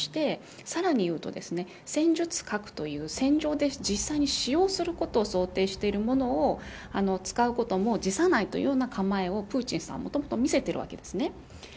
そして、さらに言うと戦術核という戦場で実際に使用することを想定しているものを使うことも辞さないという構えをプーチンさんはもともと見せているわけです。